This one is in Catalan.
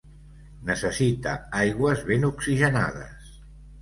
Necessita aigües ben oxigenades.